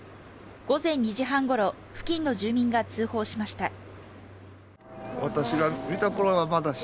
午前２時半ごろ、付近の住民が通報しました。